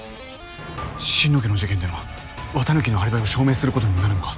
心野家の事件での綿貫のアリバイを証明することにもなるのか。